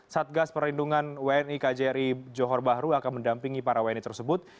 satgas perlindungan wni kjri johor bahru akan mendampingi para wni tersebut